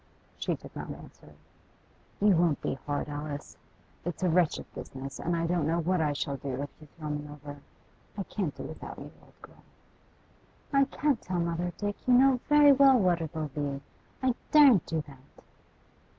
She did not answer. 'You won't be hard, Alice? It's a wretched business, and I don't know what I shall do if you throw me over. I can't do without you, old girl.' 'I can't tell mother, Dick. You know very well what it'll be. I daren't do that.